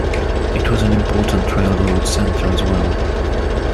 It was an important railroad center as well.